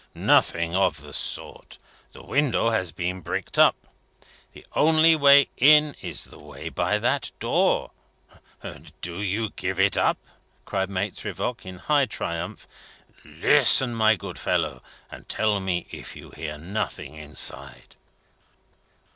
"Nothing of the sort. The window has been bricked up. The only way in, is the way by that door. Do you give it up?" cried Maitre Voigt, in high triumph. "Listen, my good fellow, and tell me if you hear nothing inside?"